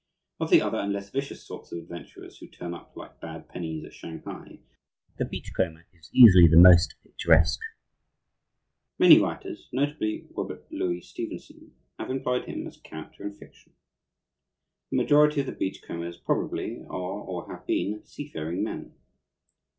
Of the other and less vicious sorts of adventurers who turn up like bad pennies at Shanghai, the beach comber is easily the most picturesque. Many writers, notably Robert Louis Stevenson, have employed him as a character in fiction. The majority of the beach combers probably are or have been seafaring men.